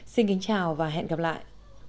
xin kính chào và hẹn gặp lại